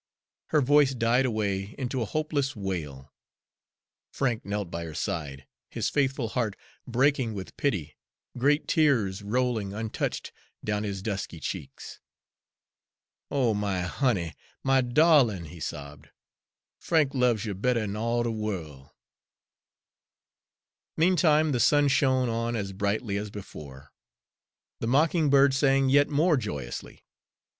Her voice died away into a hopeless wail. Frank knelt by her side, his faithful heart breaking with pity, great tears rolling untouched down his dusky cheeks. "Oh, my honey, my darlin'," he sobbed, "Frank loves you better 'n all de worl'." Meantime the sun shone on as brightly as before, the mocking bird sang yet more joyously.